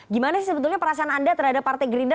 gimana sih sebetulnya perasaan anda terhadap partai gerindra